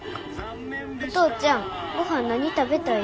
お父ちゃんごはん何食べたい？